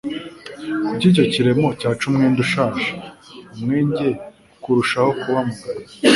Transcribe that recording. kuko icyo kiremo cyaca umwenda ushaje, umwenge ukarushaho kuba mugari".